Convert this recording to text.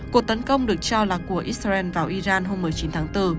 cuộc tấn công được cho là của israel vào iran hôm một mươi chín tháng bốn